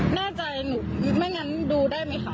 แน่ใจไม่งั้นดูได้มั้ยค่ะ